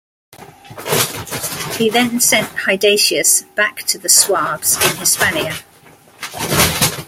He then sent Hydatius back to the Suebes in Hispania.